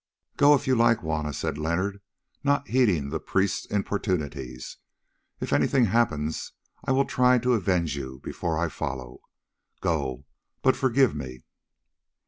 "Go if you like, Juanna," said Leonard, not heeding the priest's importunities. "If anything happens I will try to avenge you before I follow. Go, but forgive me."